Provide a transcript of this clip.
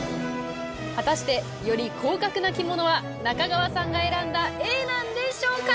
果たしてより高額な着物は中川さんが選んだＡなんでしょうか？